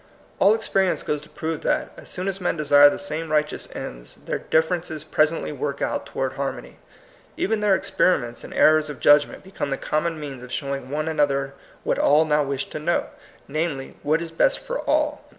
All experience goes to prove that, as soon as men desire the same righteous ends, their differences presently work out toward har mony. Even their experiments and errors of judgment become the common means of showing one another what all now wish to know; namely, what is best for all.